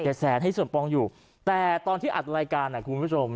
เจ็ดแสนที่ส่วนปองอยู่แต่ตอนที่อัดรายการคุณผู้ชม